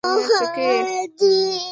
তোমার হাতে দুদিন সময় আছে।